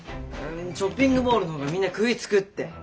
ショッピングモールの方がみんな食いつくって。